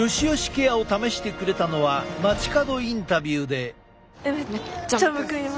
ケアを試してくれたのは街角インタビューで。